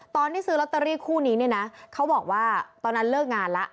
ตอนที่ซื้อลอตเตอรี่คู่นี้เนี่ยนะเขาบอกว่าตอนนั้นเลิกงานแล้ว